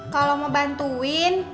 kalo mau bantuin